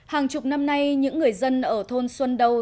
hàng chục năm nay những người dân ở thôn xuân đông